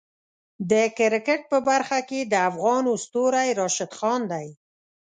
د کرکټ په برخه کې د افغانو ستوری راشد خان دی.